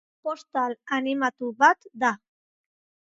Postal animatu bat da.